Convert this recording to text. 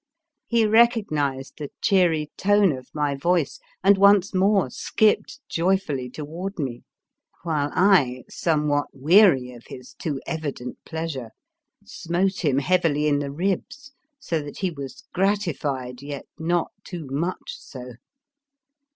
He recognised the cheery tone of my voice and once more skipped joyfully toward me, while I, somewhat weary of his too evident pleasure, smote him 89 The Fearsome Island heavily in the ribs, so that he was grat ified, yet not too much so.